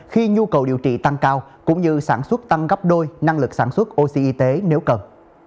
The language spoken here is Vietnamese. khi nhu cầu điều trị tăng cao cũng như sản xuất tăng gấp đôi năng lực sản xuất oxy nếu cần